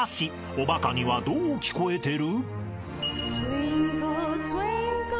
おバカにはどう聞こえてる？］